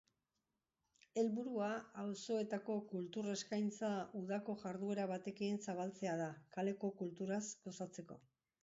Helburua auzoetako kultur eskaintza udako jarduera batekin zabaltzea da, kaleko kulturaz gozatzeko.